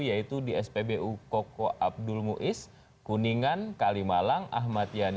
yaitu di spbu koko abdul muiz kuningan kalimalang ahmad yani